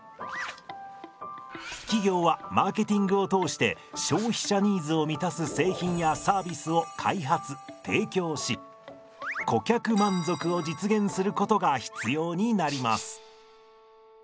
企業はマーケティングを通して消費者ニーズを満たす製品やサービスを開発提供し顧客満足を実現することが必要になります。